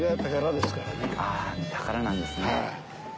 宝なんですね。